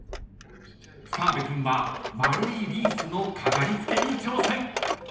［澤部君は丸いリースの飾りつけに挑戦］